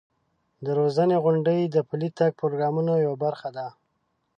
د روزنې غونډې د پلي تګ پروګرام یوه برخه ده.